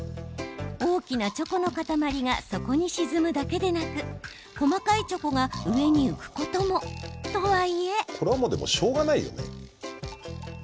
大きなチョコの塊が底に沈むだけでなく細かいチョコが上に浮くことも。とはいえ。